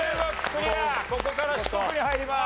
ここから四国に入ります。